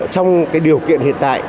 trong cái điều kiện hiện tại